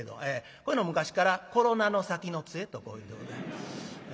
こういうの昔から「コロナの先の杖」とこう言うんでございます。